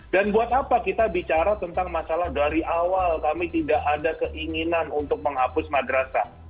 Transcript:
dan buat apa kita bicara tentang masalah dari awal kami tidak ada keinginan untuk menghapus madrasah